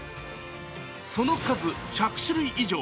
その数１００種類以上。